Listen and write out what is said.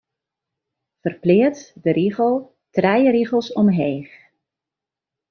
Ferpleats de rigel trije rigels omheech.